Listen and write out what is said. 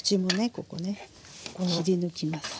ここね切り抜きます。